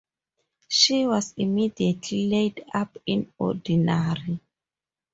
She was immediately laid up in ordinary.